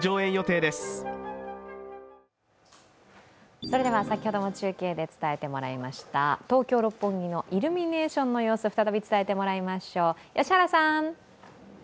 それでは先ほども中継で伝えてもらいました東京・六本木のイルミネーションの様子、再び伝えてもらいましょう。